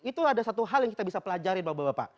itu ada satu hal yang kita bisa pelajarin bapak bapak